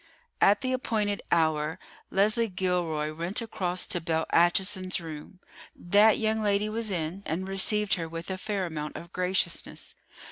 At the appointed hour, Leslie Gilroy went across to Belle Acheson's room. That young lady was in and received her with a fair amount of graciousness.